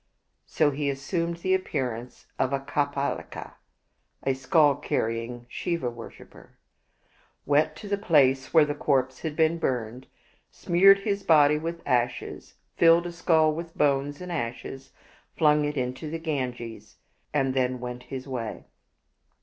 So he assumed the appearance of a Kapalika,^ went to the place where the corpse had been burned, smeared his body with ashes, filled a skull with bones and ashes, flung it into the Ganges, and then went his way.